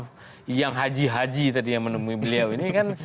karena yang haji haji tadi yang menemui beliau ini kan